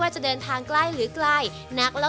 จิตย่า